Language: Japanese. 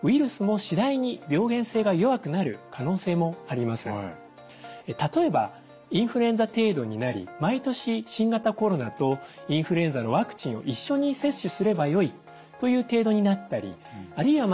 恐らくこのような一方で例えばインフルエンザ程度になり毎年新型コロナとインフルエンザのワクチンを一緒に接種すればよいという程度になったりあるいは